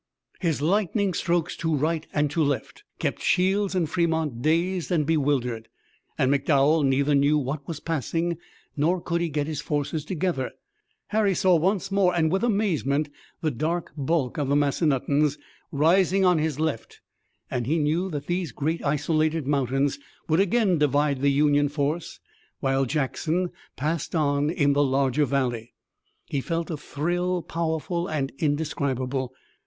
His lightning strokes to right and to left kept Shields and Fremont dazed and bewildered, and McDowell neither knew what was passing nor could he get his forces together. Harry saw once more and with amazement the dark bulk of the Massanuttons rising on his left and he knew that these great isolated mountains would again divide the Union force, while Jackson passed on in the larger valley. He felt a thrill, powerful and indescribable.